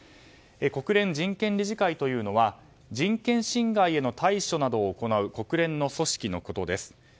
国連人権理事会というのは人権侵害への対処などを行う国連の組織のことです。